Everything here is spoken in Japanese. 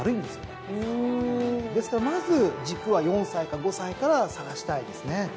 ですからまず軸は４歳か５歳から探したいですね。